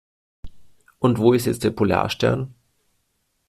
Und wo ist jetzt der Polarstern?